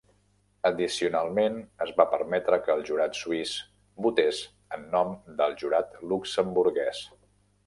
Addicionalment, es va permetre que el jurat suís votés en nom del jurat luxemburguès.